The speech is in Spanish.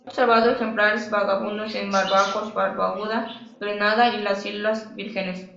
Se han observado ejemplares vagabundos en Barbados, Barbuda, Grenada y las islas Vírgenes.